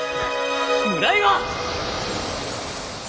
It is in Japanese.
村井は！